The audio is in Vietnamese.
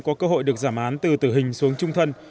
có cơ hội được giảm án từ tử hình xuống trung thân